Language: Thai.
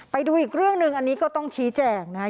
ไปดูอีกเรื่องหนึ่งอันนี้ก็ต้องชี้แจงนะครับ